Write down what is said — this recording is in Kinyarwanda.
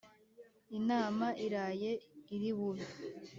inama iraye iri bube,